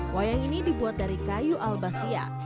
wayang ini dibuat dari kayu albasia